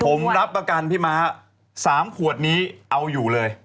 ผมรับประกันพี่ม้า๓ขวดนี้เอาอยู่เลย